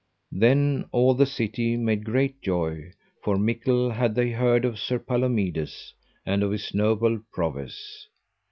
Then all the city made great joy, for mickle had they heard of Sir Palomides, and of his noble prowess.